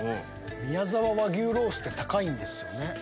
みやざわ和牛ロースって高いんですよね。